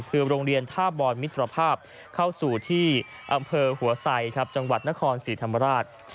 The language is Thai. คือโรงเรียนท่าบอนมิตรภาพเข้าสู่ที่อำเภอหัวไซครับจังหวัดนครศรีธรรมราช